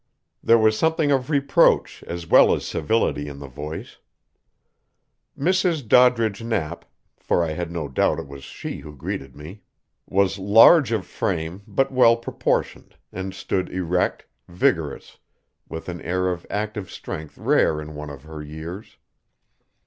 There was something of reproach as well as civility in the voice. Mrs. Doddridge Knapp, for I had no doubt it was she who greeted me, was large of frame but well proportioned, and stood erect, vigorous, with an air of active strength rare in one of her years.